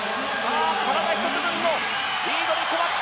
体１つ分のリードで止まった！